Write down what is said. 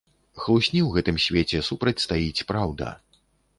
Хлусні ў гэтым свеце супрацьстаіць праўда.